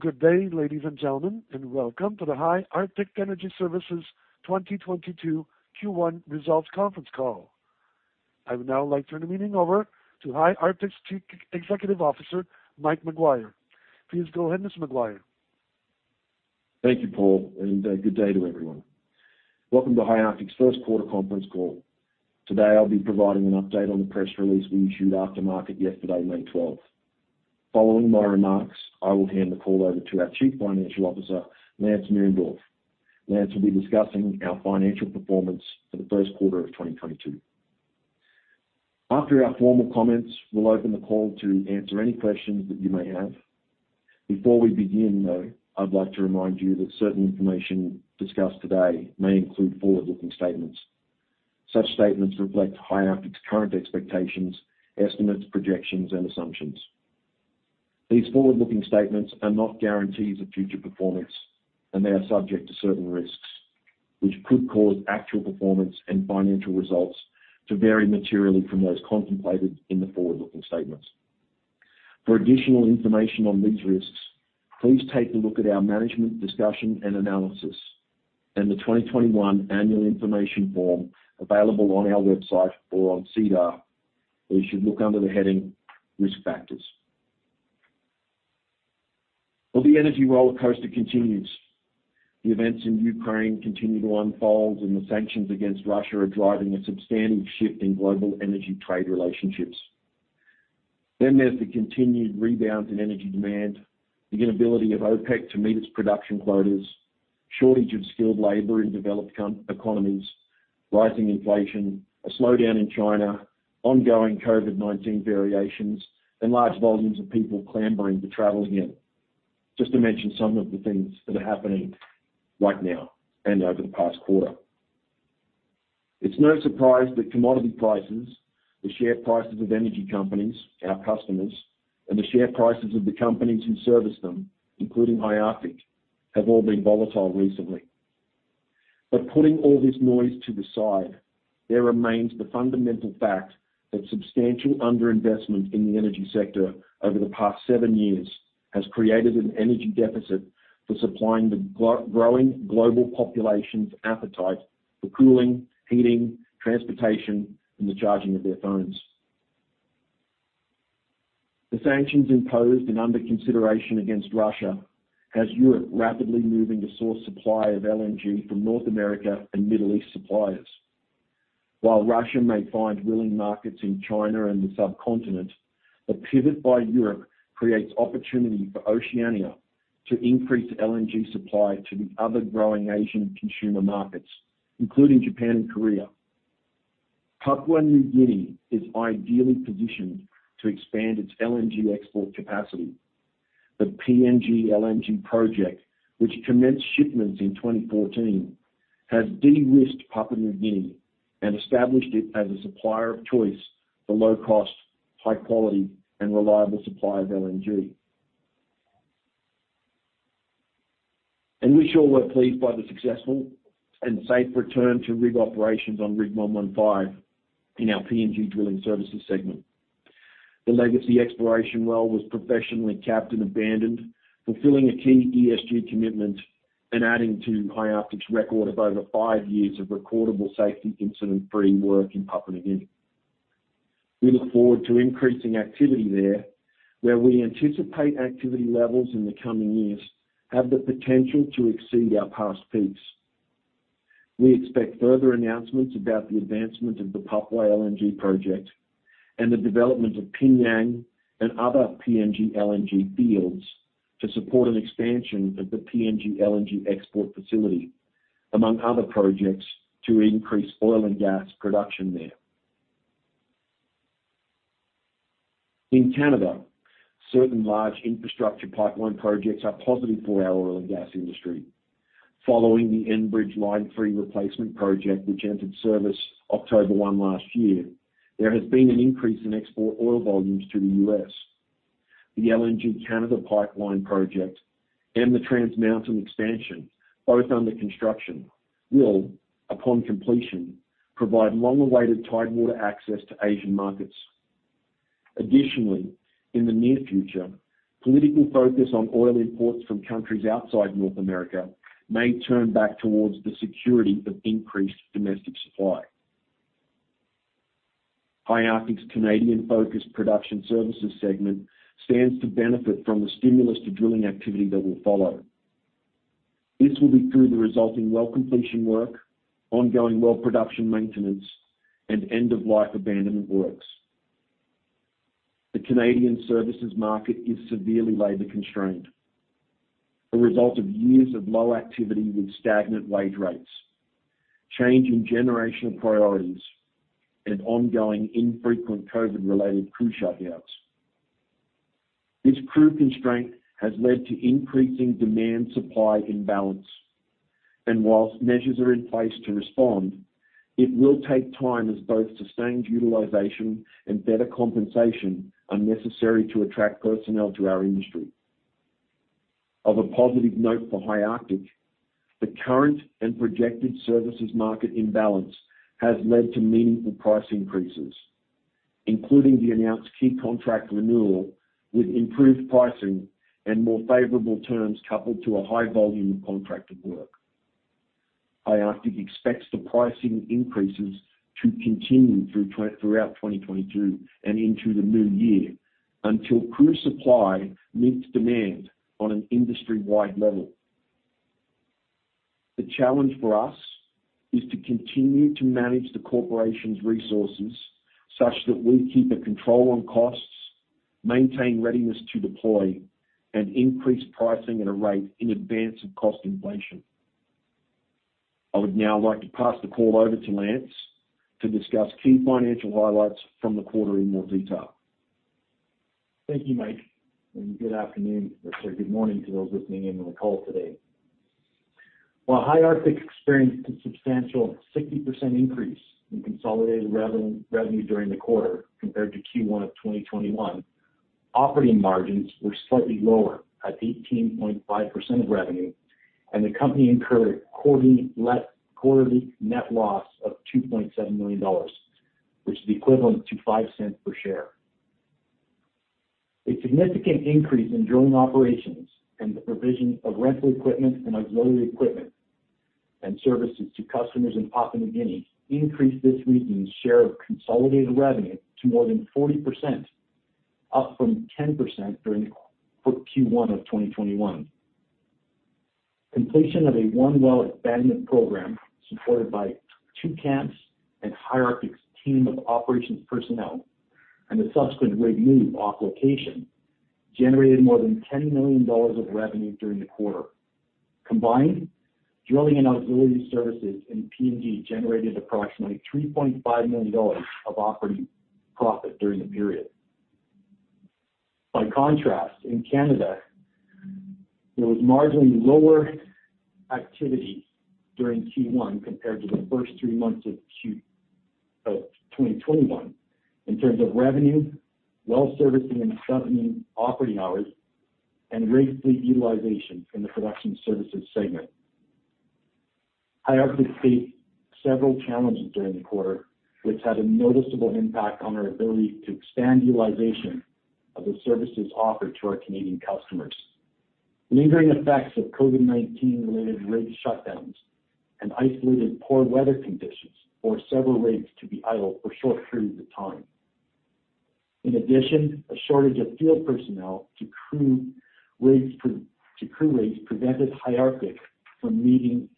Good day, ladies and gentlemen, and welcome to the High Arctic Energy Services 2022 Q1 Results Conference Call. I would now like to turn the meeting over to High Arctic's Chief Executive Officer, Mike Maguire. Please go ahead, Mr. Maguire. Thank you, Paul, and good day to everyone. Welcome to High Arctic's first quarter conference call. Today, I'll be providing an update on the press release we issued after market yesterday, May 12th. Following my remarks, I will hand the call over to our Chief Financial Officer, Lance Mierendorf. Lance will be discussing our financial performance for the first quarter of 2022. After our formal comments, we'll open the call to answer any questions that you may have. Before we begin, though, I'd like to remind you that certain information discussed today may include forward-looking statements. Such statements reflect High Arctic's current expectations, estimates, projections, and assumptions. These forward-looking statements are not guarantees of future performance, and they are subject to certain risks, which could cause actual performance and financial results to vary materially from those contemplated in the forward-looking statements. For additional information on these risks, please take a look at our management discussion and analysis in the 2021 annual information form available on our website or on SEDAR, where you should look under the heading Risk Factors. Well, the energy rollercoaster continues. The events in Ukraine continue to unfold and the sanctions against Russia are driving a substantial shift in global energy trade relationships. There's the continued rebounds in energy demand, the inability of OPEC to meet its production quotas, shortage of skilled labor in developed economies, rising inflation, a slowdown in China, ongoing COVID-19 variations, and large volumes of people clambering to travel again, just to mention some of the things that are happening right now and over the past quarter. It's no surprise that commodity prices, the share prices of energy companies, our customers, and the share prices of the companies who service them, including High Arctic, have all been volatile recently. Putting all this noise to the side, there remains the fundamental fact that substantial underinvestment in the energy sector over the past seven years has created an energy deficit for supplying the growing global population's appetite for cooling, heating, transportation, and the charging of their phones. The sanctions imposed and under consideration against Russia have Europe rapidly moving to source supply of LNG from North America and Middle East suppliers. While Russia may find willing markets in China and the subcontinent, a pivot by Europe creates opportunity for Oceania to increase LNG supply to the other growing Asian consumer markets, including Japan and Korea. Papua New Guinea is ideally positioned to expand its LNG export capacity. The PNG LNG project, which commenced shipments in 2014, has de-risked Papua New Guinea and established it as a supplier of choice for low cost, high quality, and reliable supply of LNG. We sure were pleased by the successful and safe return to rig operations on Rig 115 in our PNG Drilling Services segment. The legacy exploration well was professionally capped and abandoned, fulfilling a key ESG commitment and adding to High Arctic's record of over five years of recordable safety incident-free work in Papua New Guinea. We look forward to increasing activity there, where we anticipate activity levels in the coming years have the potential to exceed our past peaks. We expect further announcements about the advancement of the Papua LNG project and the development of P'nyang and other PNG LNG fields to support an expansion of the PNG LNG export facility, among other projects to increase oil and gas production there. In Canada, certain large infrastructure pipeline projects are positive for our oil and gas industry. Following the Enbridge Line 3 replacement project, which entered service October 1 last year, there has been an increase in export oil volumes to the U.S. The LNG Canada pipeline project and the Trans Mountain Expansion, both under construction, will, upon completion, provide long-awaited tidewater access to Asian markets. Additionally, in the near future, political focus on oil imports from countries outside North America may turn back towards the security of increased domestic supply. High Arctic's Canadian-focused Production Services segment stands to benefit from the stimulus to drilling activity that will follow. This will be through the resulting well completion work, ongoing well production maintenance, and end-of-life abandonment works. The Canadian services market is severely labor constrained, a result of years of low activity with stagnant wage rates, change in generational priorities, and ongoing infrequent COVID-related crew shutdowns. This crew constraint has led to increasing demand-supply imbalance. While measures are in place to respond, it will take time as both sustained utilization and better compensation are necessary to attract personnel to our industry. On a positive note for High Arctic, the current and projected services market imbalance has led to meaningful price increases. Including the announced key contract renewal with improved pricing and more favorable terms coupled to a high volume of contracted work. High Arctic expects the pricing increases to continue throughout 2022 and into the new year until crew supply meets demand on an industry-wide level. The challenge for us is to continue to manage the corporation's resources such that we keep a control on costs, maintain readiness to deploy, and increase pricing at a rate in advance of cost inflation. I would now like to pass the call over to Lance to discuss key financial highlights from the quarter in more detail. Thank you, Mike, and good afternoon, or say good morning to those listening in on the call today. While High Arctic experienced a substantial 60% increase in consolidated revenue during the quarter compared to Q1 of 2021, operating margins were slightly lower at 18.5% of revenue, and the company incurred a quarterly net loss of 2.7 million dollars, which is equivalent to 0.05 per share. A significant increase in drilling operations and the provision of rental equipment and auxiliary equipment and services to customers in Papua New Guinea increased this region's share of consolidated revenue to more than 40%, up from 10% during Q1 of 2021. Completion of a one well abandonment program supported by two camps and High Arctic's team of operations personnel and the subsequent rig move off location generated more than 10 million dollars of revenue during the quarter. Combined, drilling and ancillary services in PNG generated approximately 3.5 million dollars of operating profit during the period. By contrast, in Canada, there was marginally lower activity during Q1 compared to the first three months of Q1 of 2021 in terms of revenue, well servicing and snubbing, operating hours, and rig fleet utilization in the production services segment. High Arctic faced several challenges during the quarter, which had a noticeable impact on our ability to expand utilization of the services offered to our Canadian customers. Lingering effects of COVID-19-related rig shutdowns and isolated poor weather conditions forced several rigs to be idle for short periods of time. In addition, a shortage of field personnel to crew rigs prevented High Arctic from meeting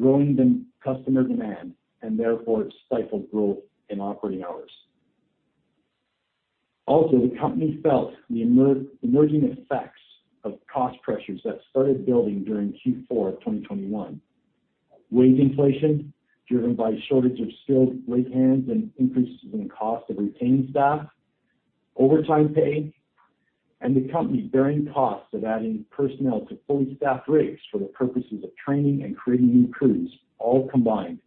growing customer demand and therefore stifled growth in operating hours. Also, the company felt the emerging effects of cost pressures that started building during Q4 of 2021. Wage inflation, driven by shortage of skilled rig hands and increases in cost of retaining staff, overtime pay, and the company bearing costs of adding personnel to fully staffed rigs for the purposes of training and creating new crews all combined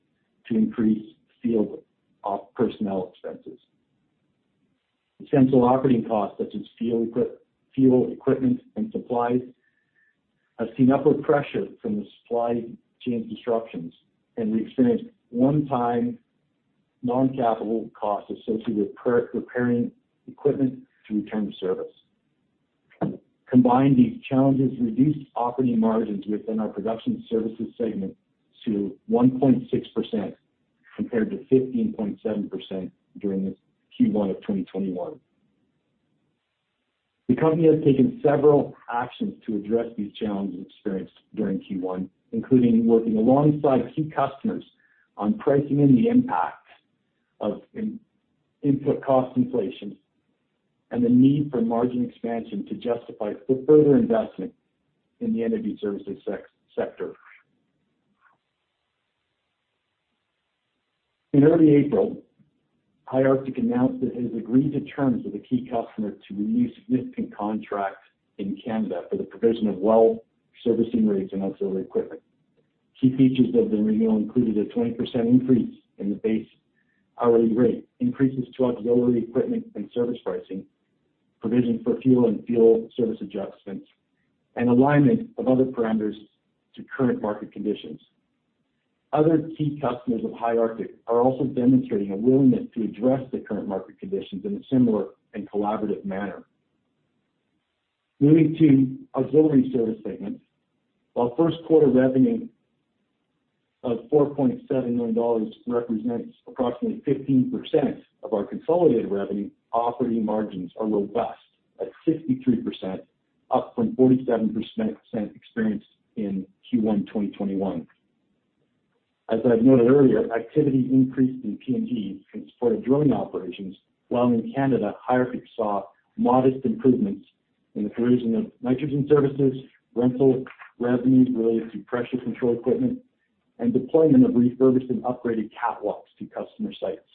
to increase field personnel expenses. Essential operating costs such as fuel, equipment, and supplies have seen upward pressure from the supply chain disruptions, and we experienced one-time non-capital costs associated with preparing equipment to return to service. Combined, these challenges reduced operating margins within our Production Services segment to 1.6% compared to 15.7% during Q1 of 2021. The company has taken several actions to address these challenges experienced during Q1, including working alongside key customers on pricing in the impacts of input cost inflation and the need for margin expansion to justify further investment in the energy services sector. In early April, High Arctic announced that it has agreed to terms with a key customer to renew significant contracts in Canada for the provision of well servicing rigs and ancillary equipment. Key features of the renewal included a 20% increase in the base hourly rate, increases to ancillary equipment and service pricing, provision for fuel and fuel service adjustments, and alignment of other parameters to current market conditions. Other key customers of High Arctic are also demonstrating a willingness to address the current market conditions in a similar and collaborative manner. Moving to ancillary services segment. While first quarter revenue of 4.7 million dollars represents approximately 15% of our consolidated revenue, operating margins are robust at 63%, up from 47% experienced in Q1 2021. As I've noted earlier, activity increased in PNG in support of drilling operations, while in Canada, High Arctic saw modest improvements in the provision of nitrogen services, rental revenue related to pressure control equipment, and deployment of refurbished and upgraded catwalks to customer sites.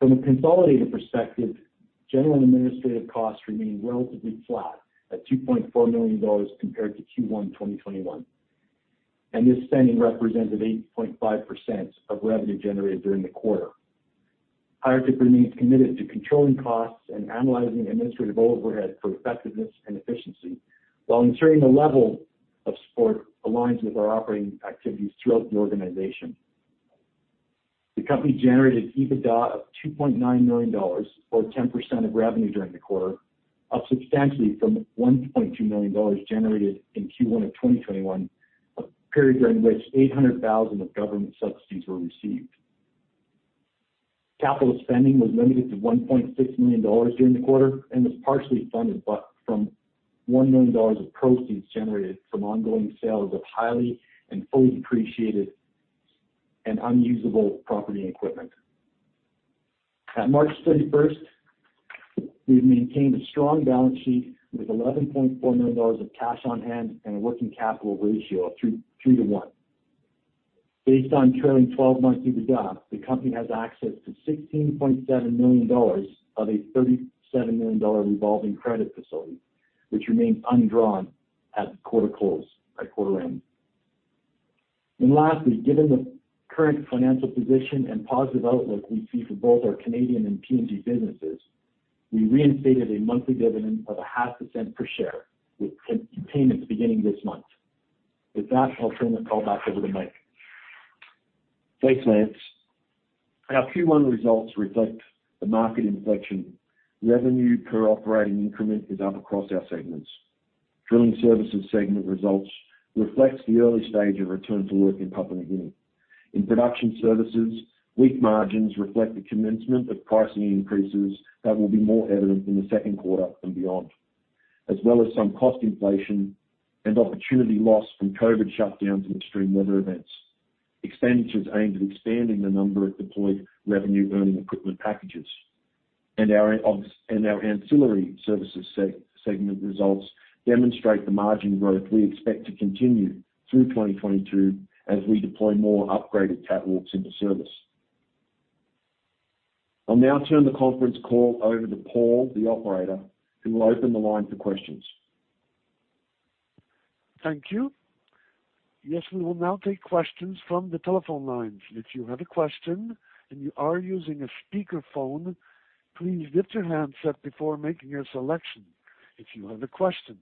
From a consolidated perspective, general and administrative costs remained relatively flat at 2.4 million dollars compared to Q1 2021, and this spending represented 8.5% of revenue generated during the quarter. High Arctic remains committed to controlling costs and analyzing administrative overhead for effectiveness and efficiency while ensuring the level of support aligns with our operating activities throughout the organization. The company generated EBITDA of 2.9 million dollars or 10% of revenue during the quarter, up substantially from 1.2 million dollars generated in Q1 of 2021, a period during which 800, 000 of government subsidies were received. Capital spending was limited to 1.6 million dollars during the quarter and was partially funded by 1 million dollars of proceeds generated from ongoing sales of idle and fully depreciated and unusable property and equipment. At March 31, we've maintained a strong balance sheet with 11.4 million dollars of cash on hand and a working capital ratio of 3.3 to 1. Based on trailing twelve months EBITDA, the company has access to 16.7 million dollars of a 37 million dollar revolving credit facility, which remains undrawn at quarter end. Lastly, given the current financial position and positive outlook we see for both our Canadian and PNG businesses, we reinstated a monthly dividend of 0.5% per share with payments beginning this month. With that, I'll turn the call back over to Mike. Thanks, Lance. Our Q1 results reflect the market inflection. Revenue per operating increment is up across our segments. Drilling Services segment results reflects the early stage of return to work in Papua New Guinea. In Production Services, weak margins reflect the commencement of pricing increases that will be more evident in the second quarter and beyond. As well as some cost inflation and opportunity loss from COVID shutdowns and extreme weather events. Expenditures aimed at expanding the number of deployed revenue-earning equipment packages. Our Ancillary Services segment results demonstrate the margin growth we expect to continue through 2022 as we deploy more upgraded catwalks into service. I'll now turn the conference call over to Paul, the operator, who will open the line for questions. Thank you. Yes, we will now take questions from the telephone lines. If you have a question and you are using a speakerphone, please mute your handset before making your selection. If you have a question,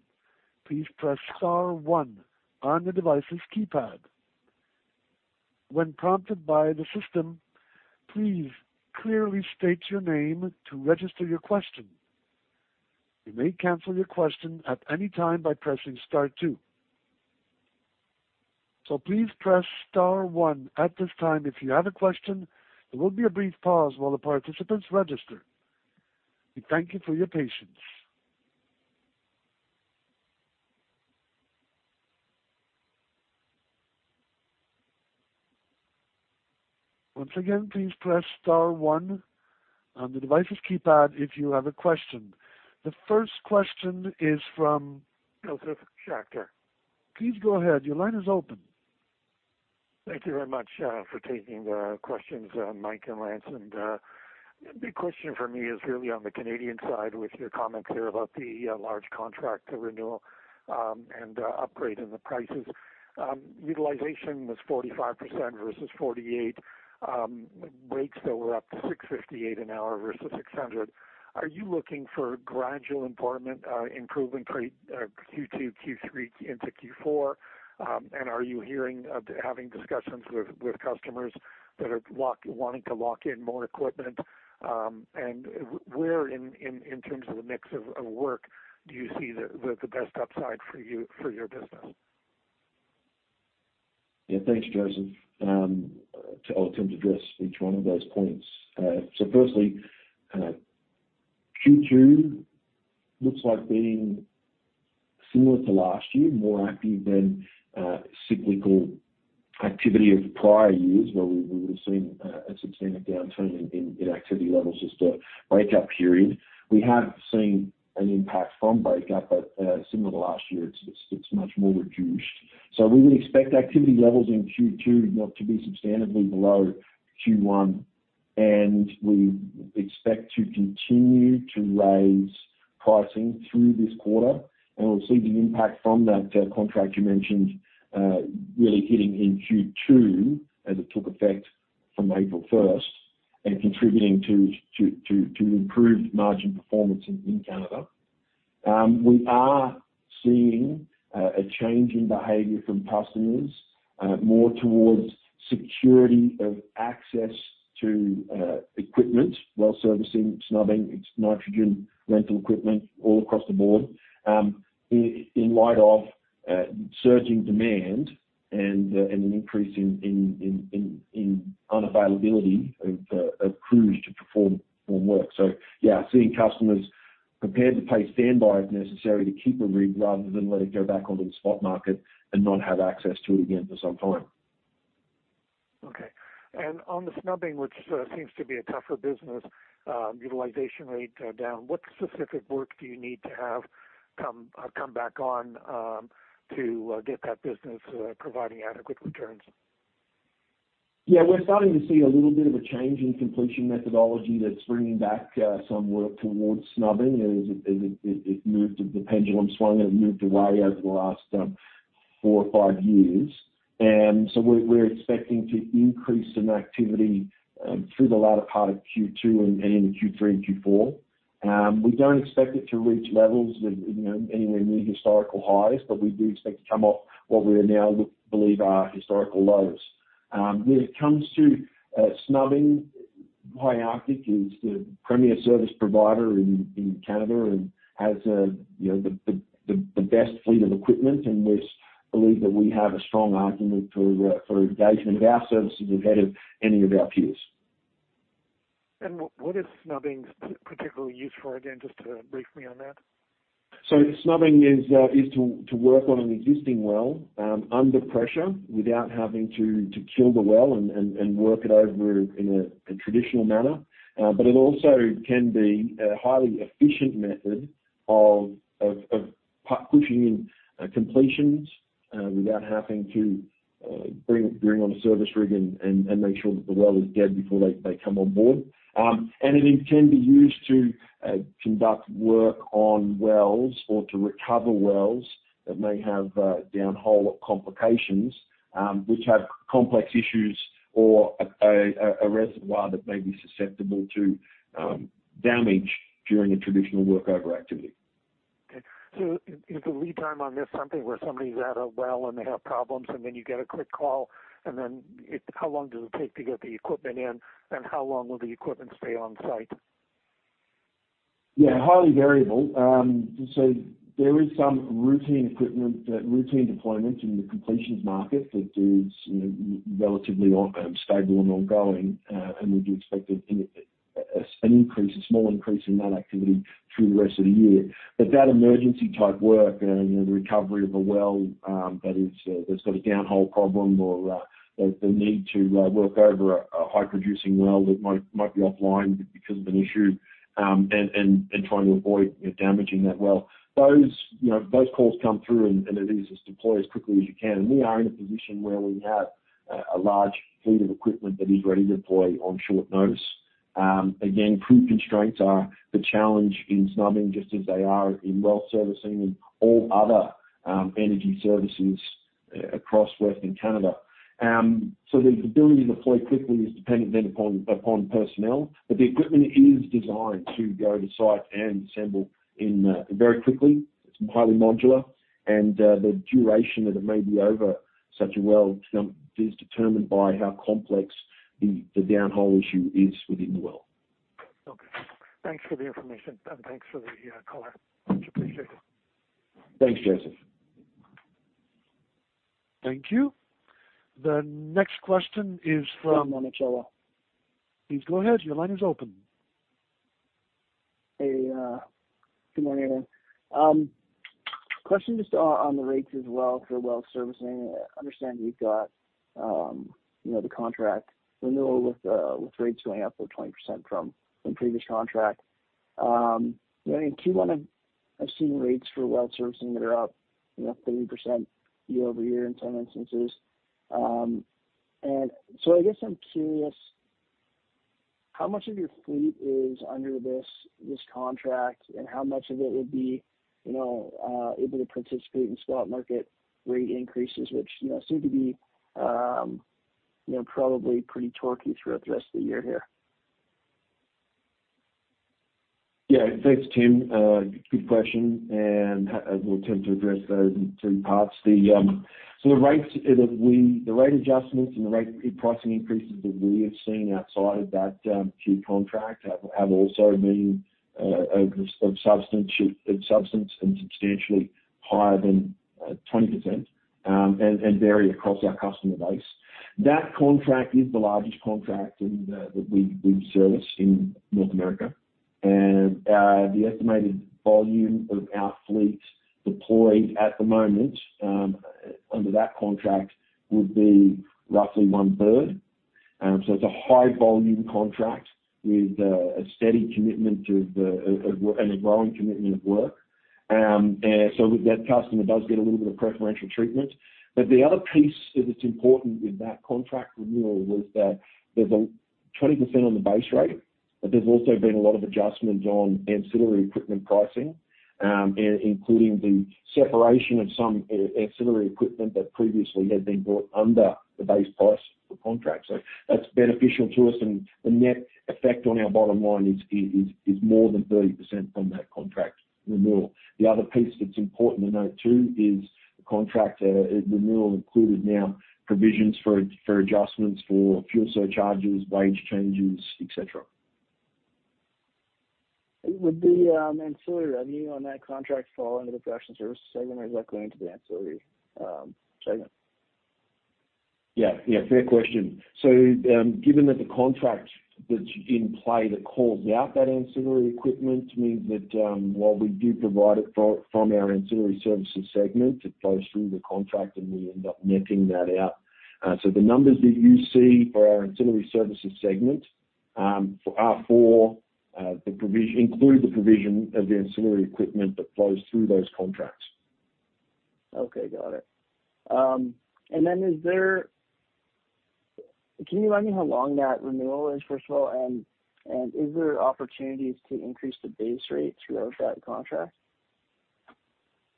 please press star one on the device's keypad. When prompted by the system, please clearly state your name to register your question. You may cancel your question at any time by pressing star two. Please press star one at this time if you have a question. There will be a brief pause while the participants register. We thank you for your patience. Once again, please press star one on the device's keypad if you have a question. The first question is from, Josef Schachter. Please go ahead. Your line is open. Thank you very much for taking the questions, Mike and Lance. The big question for me is really on the Canadian side with your comments here about the large contract renewal and the upgrade in the prices. Utilization was 45% versus 48%. Rates that were up to 658 an hour versus 600. Are you looking for gradual improvement, improving trajectory, Q2, Q3 into Q4? Are you having discussions with customers that are wanting to lock in more equipment? Where in terms of the mix of work do you see the best upside for your business? Yeah, thanks, Josef. I'll attempt to address each one of those points. First, Q2 looks like being similar to last year, more active than cyclical activity of prior years, where we would've seen a substantive downturn in activity levels as to break-up period. We have seen an impact from break-up, but similar to last year, it's much more reduced. We would expect activity levels in Q2 not to be substantively below Q1. We expect to continue to raise pricing through this quarter. We'll see the impact from that contract you mentioned really hitting in Q2 as it took effect from April first and contributing to improved margin performance in Canada. We are seeing a change in behavior from customers more towards security of access to equipment while servicing, snubbing its nitrogen rental equipment all across the board, in light of surging demand and an increase in unavailability of crews to perform work. Yeah, seeing customers prepared to pay standby if necessary to keep a rig rather than let it go back onto the spot market and not have access to it again for some time. Okay. On the snubbing, which seems to be a tougher business, utilization rate down, what specific work do you need to have come back on to get that business providing adequate returns? Yeah, we're starting to see a little bit of a change in completion methodology that's bringing back some work towards snubbing as it moved, the pendulum swung, it moved away over the last four or five years. We're expecting to increase some activity through the latter part of Q2 and in Q3 and Q4. We don't expect it to reach levels with, you know, anywhere near historical highs, but we do expect to come off what we now believe are historical lows. When it comes to snubbing, High Arctic is the premier service provider in Canada and has, you know, the best fleet of equipment, and we believe that we have a strong argument for engagement of our services ahead of any of our peers. What is snubbing particularly used for, again, just to brief me on that? Snubbing is to work on an existing well under pressure without having to kill the well and work it over in a traditional manner. It also can be a highly efficient method of pushing in completions without having to bring on a service rig and make sure that the well is dead before they come on board. It can be used to conduct work on wells or to recover wells that may have downhole complications which have complex issues or a reservoir that may be susceptible to damage during a traditional work over activity. Is the lead time on this something where somebody's at a well and they have problems and then you get a quick call, and then how long does it take to get the equipment in, and how long will the equipment stay on site? Yeah, highly variable. There is some routine deployments in the completions market that is, you know, relatively stable and ongoing. We do expect a small increase in that activity through the rest of the year. That emergency type work and, you know, the recovery of a well that's got a downhole problem or the need to work over a high producing well that might be offline because of an issue and trying to avoid, you know, damaging that well. Those, you know, those calls come through and it is just deploy as quickly as you can. We are in a position where we have a large fleet of equipment that is ready to deploy on short notice. Again, crew constraints are the challenge in snubbing just as they are in well servicing and all other energy services across Western Canada. The ability to deploy quickly is dependent then upon personnel, but the equipment is designed to go to site and assemble in very quickly. It's highly modular, and the duration that it may be over such a well snub is determined by how complex the downhole issue is within the well. Okay. Thanks for the information and thanks for the color. Much appreciated. Thanks, Josef. Thank you. The next question is from. Tim Monachello. Please go ahead. Your line is open. Hey, good morning, everyone. Question just on the rates as well for well servicing. I understand you've got, you know, the contract renewal with rates going up over 20% from the previous contract. You know, in Q1, I've seen rates for well servicing that are up, you know, 30% year-over-year in some instances. I guess I'm curious how much of your fleet is under this contract, and how much of it would be, you know, able to participate in spot market rate increases, which, you know, seem to be, you know, probably pretty torquey throughout the rest of the year here. Yeah. Thanks, Tim. Good question, and I will attempt to address those in two parts. The rates, the rate adjustments and the rate pricing increases that we have seen outside of that key contract have also been of substance and substantially higher than 20%, and vary across our customer base. That contract is the largest contract that we service in North America. The estimated volume of our fleet deployed at the moment under that contract would be roughly 1/3. It's a high volume contract with a steady commitment to the, and a growing commitment of work. That customer does get a little bit of preferential treatment. The other piece that is important with that contract renewal was that there's a 20% on the base rate, but there's also been a lot of adjustments on ancillary equipment pricing, including the separation of some ancillary equipment that previously had been brought under the base price of the contract. That's beneficial to us, and the net effect on our bottom line is more than 30% on that contract renewal. The other piece that's important to note too is the contract renewal included now provisions for adjustments for fuel surcharges, wage changes, et cetera. Would the ancillary revenue on that contract fall under the Production Services segment, or is that going to the Ancillary segment? Yeah, yeah, fair question. Given that the contract that's in play that calls out that ancillary equipment means that, while we do provide it from our Ancillary Services segment, it flows through the contract, and we end up netting that out. The numbers that you see for our Ancillary Services segment include the provision of the ancillary equipment that flows through those contracts. Okay, got it. Can you remind me how long that renewal is, first of all? Is there opportunities to increase the base rate throughout that contract?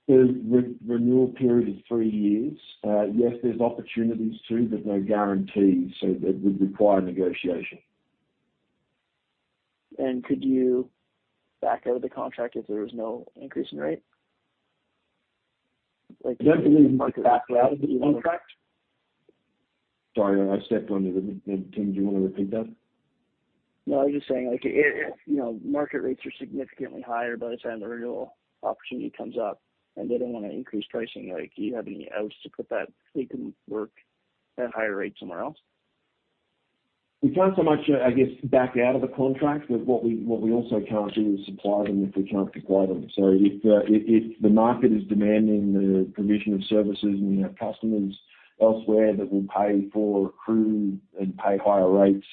The renewal period is three years. Yes, there's opportunities to, but no guarantees, so that would require negotiation. Could you back out of the contract if there was no increase in rate? Like [inaudible] Sorry, I stepped on you. Tim, do you wanna repeat that? No, I was just saying like if, you know, market rates are significantly higher by the time the renewal opportunity comes up and they don't wanna increase pricing, like, do you have any outs to put that they can work at a higher rate somewhere else? We can't so much, I guess, back out of the contract. What we also can't do is supply them if we can't supply them. If the market is demanding the provision of services and we have customers elsewhere that will pay for crew and pay higher rates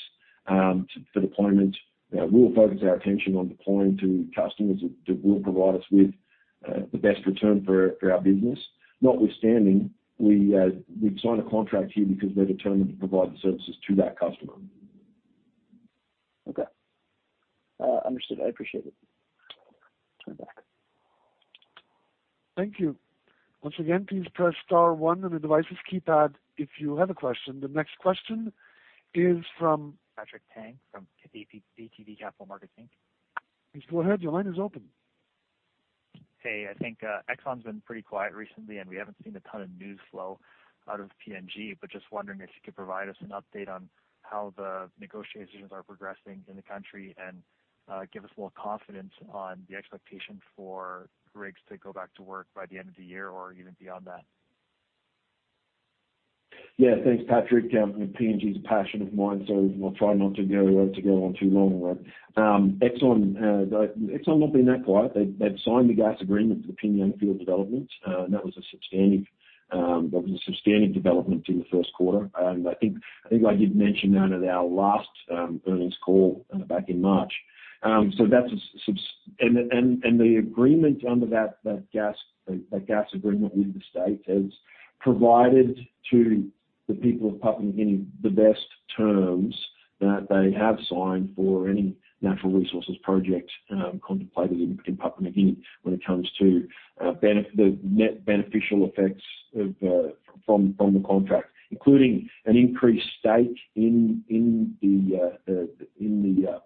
too for deployment, we'll focus our attention on deploying to customers that will provide us with the best return for our business. Notwithstanding, we've signed a contract here because we're determined to provide the services to that customer. Okay. Understood. I appreciate it. Turn it back. Thank you. Once again, please press star one on your device's keypad if you have a question. The next question is from- Patrick Tang from ATB Capital Markets Inc. Please go ahead. Your line is open. Hey, I think, Exxon's been pretty quiet recently, and we haven't seen a ton of news flow out of PNG. Just wondering if you could provide us an update on how the negotiations are progressing in the country and give us more confidence on the expectation for rigs to go back to work by the end of the year or even beyond that. Yeah. Thanks, Patrick. PNG is a passion of mine, so I'll try not to go on too long. ExxonMobil has not been that quiet. They've signed the gas agreement for the P'nyang field developments, and that was a substantive development in the first quarter. I think I did mention that at our last earnings call back in March. The agreement under that gas agreement with the state has provided to the people of Papua New Guinea the best terms that they have signed for any natural resources project contemplated in Papua New Guinea when it comes to the net beneficial effects from the contract. Including an increased stake in the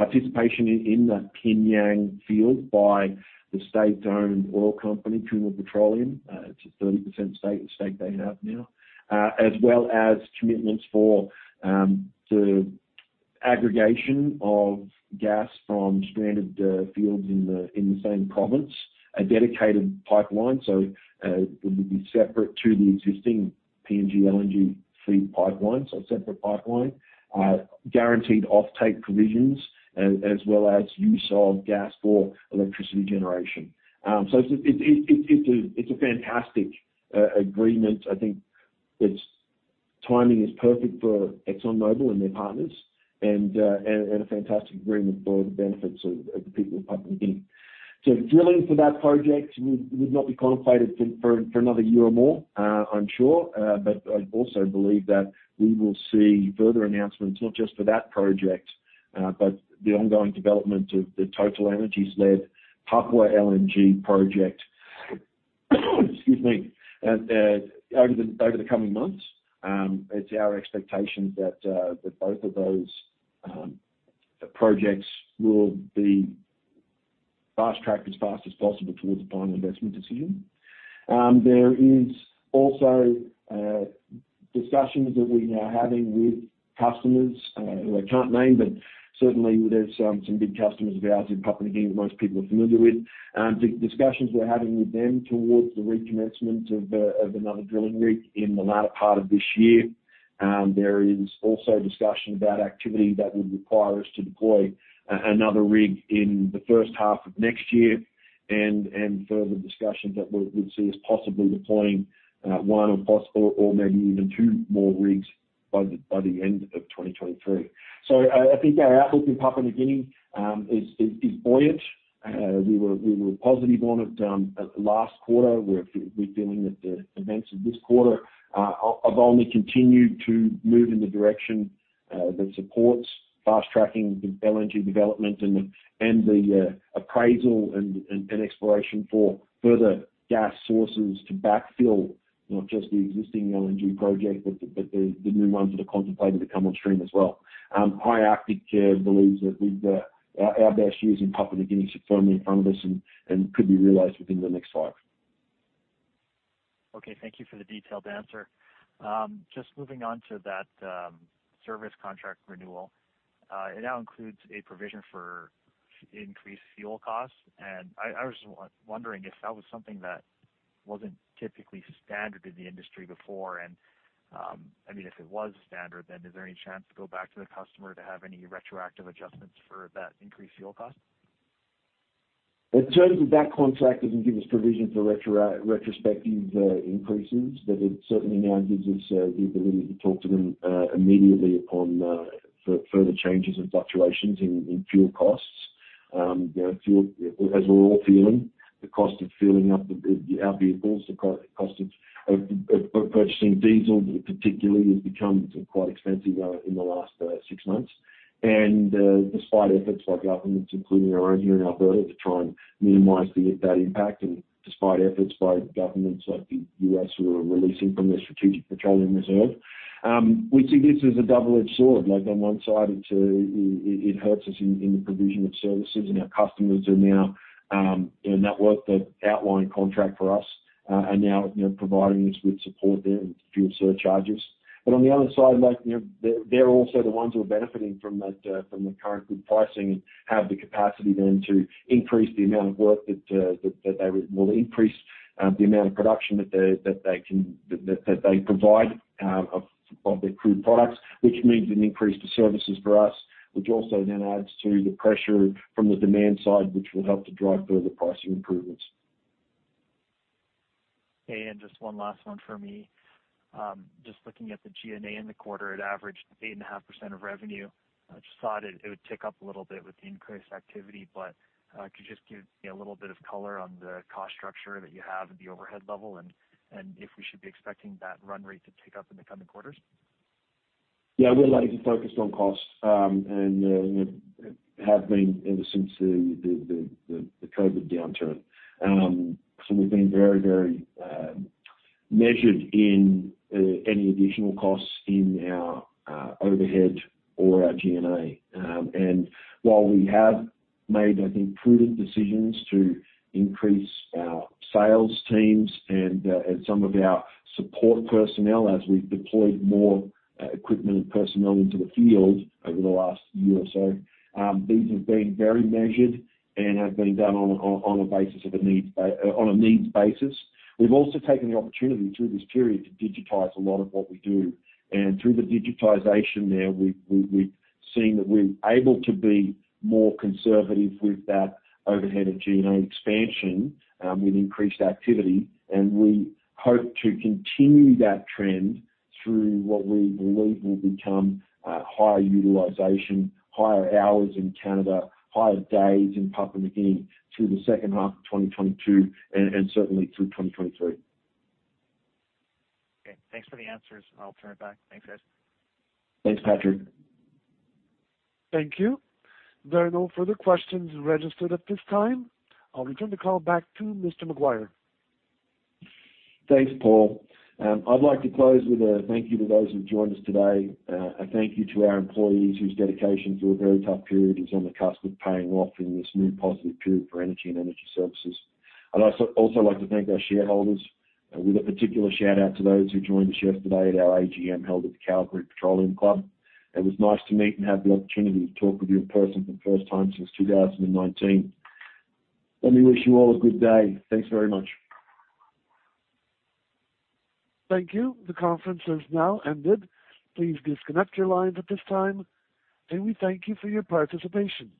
participation in the P'nyang field by the state-owned oil company, Kumul Petroleum. It's a 30% stake they have now. As well as commitments for the aggregation of gas from stranded fields in the same province, a dedicated pipeline. It would be separate to the existing PNG LNG feed pipeline, a separate pipeline. Guaranteed offtake provisions as well as use of gas for electricity generation. It's a fantastic agreement. I think its timing is perfect for ExxonMobil and their partners and a fantastic agreement for the benefits of the people of Papua New Guinea. Drilling for that project would not be contemplated for another year or more, I'm sure. I also believe that we will see further announcements, not just for that project, but the ongoing development of the TotalEnergies-led Papua LNG project, excuse me, over the coming months. It's our expectation that both of those projects will be fast-tracked as fast as possible towards a final investment decision. There is also discussions that we are now having with customers who I can't name, but certainly there's some big customers of ours in Papua New Guinea most people are familiar with. Discussions we're having with them towards the recommencement of another drilling rig in the latter part of this year. There is also discussion about activity that would require us to deploy another rig in the first half of next year and further discussions that we'll see us possibly deploying one or maybe even two more rigs by the end of 2023. I think our outlook in Papua New Guinea is buoyant. We were positive on it last quarter. We're feeling that the events of this quarter have only continued to move in the direction that supports fast-tracking the LNG development and the appraisal and exploration for further gas sources to backfill not just the existing LNG project, but the new ones that are contemplated to come on stream as well. High Arctic believes that our best years in Papua New Guinea are firmly in front of us and could be realized within the next five. Okay. Thank you for the detailed answer. Just moving on to that service contract renewal. It now includes a provision for increased fuel costs. I was wondering if that was something that wasn't typically standard in the industry before. I mean, if it was standard, then is there any chance to go back to the customer to have any retroactive adjustments for that increased fuel cost? In terms of that contract, it doesn't give us provision for retrospective increases, but it certainly now gives us the ability to talk to them immediately upon further changes and fluctuations in fuel costs. You know, fuel, as we're all feeling, the cost of fueling up our vehicles, the cost of purchasing diesel particularly has become quite expensive in the last six months. Despite efforts by governments, including our own here in Alberta, to try and minimize that impact, and despite efforts by governments like the U.S. who are releasing from their strategic petroleum reserve, we see this as a double-edged sword. Like on one side, it hurts us in the provision of services and our customers are now, you know, in that work that outline contract for us, are now, you know, providing us with support there and fuel surcharges. On the other side, like, you know, they're also the ones who are benefiting from that, from the current good pricing and have the capacity then to increase the amount of work that they will increase the amount of production that they provide of their crude products, which means an increase to services for us, which also then adds to the pressure from the demand side, which will help to drive further pricing improvements. Okay. Just one last one from me. Just looking at the G&A in the quarter at average 8.5% of revenue, I just thought it would tick up a little bit with the increased activity. Could you just give me a little bit of color on the cost structure that you have at the overhead level and if we should be expecting that run rate to tick up in the coming quarters? Yeah, we're laser-focused on costs, you know, have been ever since the COVID downturn. We've been very measured in any additional costs in our overhead or our G&A. While we have made, I think, prudent decisions to increase our sales teams and some of our support personnel as we've deployed more equipment and personnel into the field over the last year or so, these have been very measured and have been done on a needs basis. We've also taken the opportunity through this period to digitize a lot of what we do. Through the digitization there, we've seen that we're able to be more conservative with that overhead and G&A expansion with increased activity. We hope to continue that trend through what we believe will become higher utilization, higher hours in Canada, higher days in Papua New Guinea through the second half of 2022 and certainly through 2023. Okay, thanks for the answers, and I'll turn it back. Thanks, guys. Thanks, Patrick. Thank you. There are no further questions registered at this time. I'll return the call back to Mr. Maguire. Thanks, Paul. I'd like to close with a thank you to those who've joined us today. A thank you to our employees whose dedication through a very tough period is on the cusp of paying off in this new positive period for energy and energy services. I'd also like to thank our shareholders with a particular shout-out to those who joined us yesterday at our AGM held at the Calgary Petroleum Club. It was nice to meet and have the opportunity to talk with you in person for the first time since 2019. Let me wish you all a good day. Thanks very much. Thank you. The conference has now ended. Please disconnect your lines at this time, and we thank you for your participation.